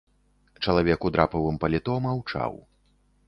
Чалавек у драпавым паліто маўчаў.